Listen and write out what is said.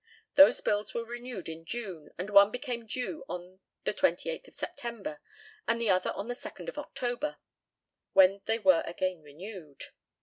Those bills were renewed in June, and one became due on the 28th of September, and the other on the 2nd of October, when they were again renewed.